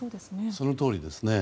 そのとおりですね。